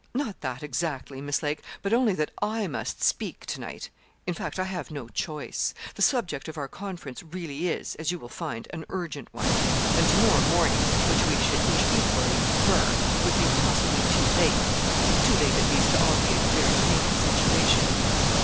'Not that, exactly, Miss Lake, but only that I must speak to night in fact, I have no choice. The subject of our conference really is, as you will find, an urgent one, and to morrow morning, which we should each equally prefer, would be possibly too late too late, at least, to obviate a very painful situation.'